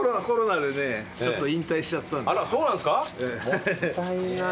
もったいない。